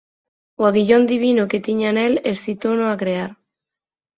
O aguillón divino que tiña nel excitouno a crear.